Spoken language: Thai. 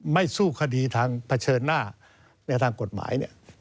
สู้คดีทางเผชิญหน้าในทางกฎหมาย